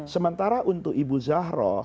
sementara untuk ibu zahra